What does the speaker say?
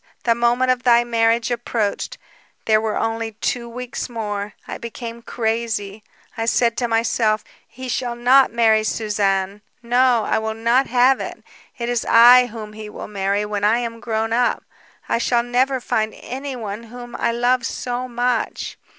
The moment of thy marriage approached. There were only two weeks more. I became crazy. I said to myself: 'He shall not marry Suzanne, no, I will not have it! It is I whom he will marry when I am grown up. I shall never find anyone whom I love so much.'